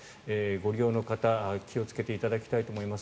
ご利用の方気をつけていただきたいと思います。